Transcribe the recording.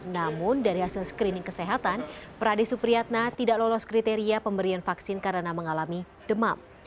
namun dari hasil screening kesehatan prade supriyatna tidak lolos kriteria pemberian vaksin karena mengalami demam